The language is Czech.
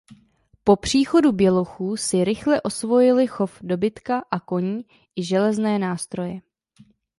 Po příchodu bělochů si rychle osvojili chov dobytka a koní i železné nástroje.